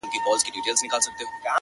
هغه خو دا گراني كيسې نه كوي!